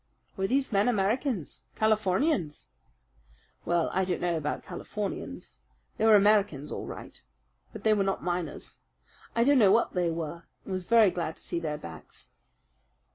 "Were these men Americans Californians?" "Well, I don't know about Californians. They were Americans, all right. But they were not miners. I don't know what they were, and was very glad to see their backs."